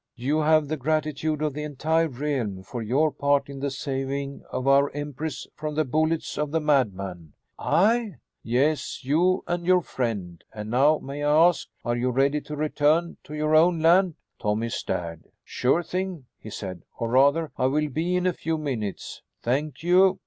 You have the gratitude of the entire realm for your part in the saving of our empress from the bullets of the madman." "I?" "Yes. You and your friend. And now, may I ask, are you ready to return to your own land?" Tommy stared. "Sure thing," he said, "or rather, I will be in a few minutes." "Thank you.